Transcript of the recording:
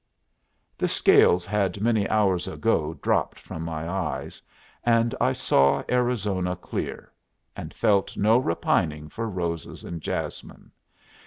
The scales had many hours ago dropped from my eyes, and I saw Arizona clear, and felt no repining for roses and jasmine.